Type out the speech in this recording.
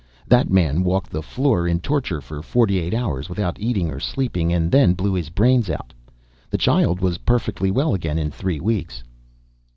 That man walked the floor in torture for forty eight hours, without eating or sleeping, and then blew his brains out. The child was perfectly well again in three weeks."